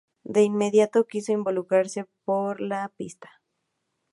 De inmediato quiso involucrarse con la pista.